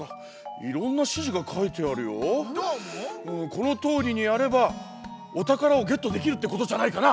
このとおりにやればおたからをゲットできるってことじゃないかな！